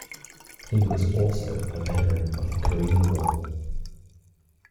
He was also a veteran of the Korean War.